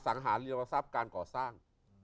สังหารเรียวทรัพย์การก่อสร้าง